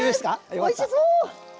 おいしそう！